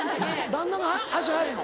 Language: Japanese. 旦那が足速いの？